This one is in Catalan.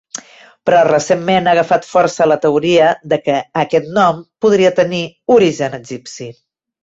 Però recentment ha agafat força la teoria de què aquest nom podria tenir origen egipci.